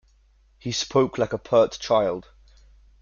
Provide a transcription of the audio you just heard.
He spoke like a pert child.